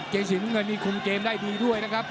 เกงสีน้ำเงินนี่คุมเกมได้ดีด้วยนะครับ